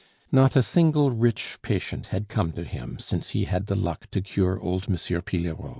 Not a single rich patient had come to him since he had the luck to cure old M. Pillerault.